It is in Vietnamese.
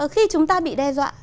khi chúng ta bị đe dọa